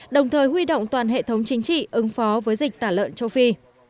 đồng thời huy động toàn hệ thống chính trị ứng phó với dịch tả lợn châu phi